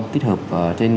tích hợp trên